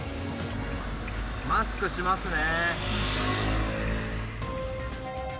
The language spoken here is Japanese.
マスクしますね。